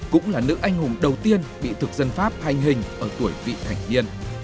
cũng là nữ anh hùng đầu tiên bị thực dân pháp hành hình ở tuổi vị thành niên